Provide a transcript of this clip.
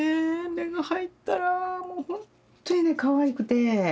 目が入ったらもうほんとにねかわいくて。